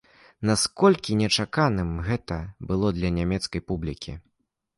Наколькі нечаканым гэта было для нямецкай публікі?